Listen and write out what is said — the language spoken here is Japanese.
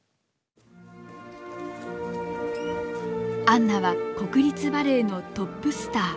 Ｈｅｌｌｏ．アンナは国立バレエのトップスター。